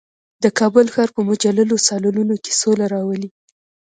د کابل ښار په مجللو سالونونو کې سوله راولي.